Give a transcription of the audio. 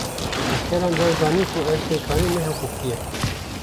Kerkeran, dan zanîn ku ev pêkanîn ne hiqûqî ye